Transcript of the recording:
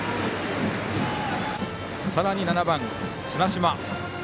さらに７番、綱島。